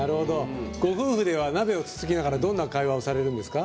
ご夫婦では鍋をつつきながらどんな会話をされるんですか？